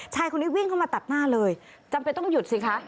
ชายคนนี้วิ่งเข้ามาตัดหน้าเลยจำเป็นต้องหยุดสิคะ